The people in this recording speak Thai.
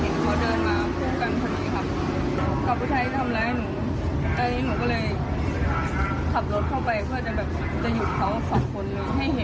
ซึ่งถ้านเดี๋ยวพ่อของคุณพรทิพย์อย่างนอนอยู่ที่นี่